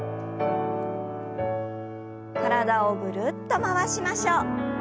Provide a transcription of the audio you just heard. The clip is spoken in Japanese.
体をぐるっと回しましょう。